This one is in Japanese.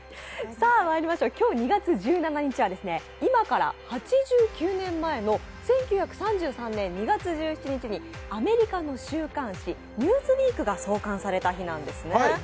今日２月１７日は今から８９年前の１９３３年２月１７日にアメリカの週刊誌「Ｎｅｗｓｗｅｅｋ」が創刊された日なんですね。